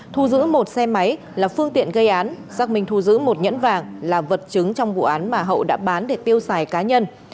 thu giữ một xe máy là phương tiện gây án xác minh thu giữ một nhẫn vàng là vật chứng trong vụ án mà hậu đã bán để tiêu xài cá nhân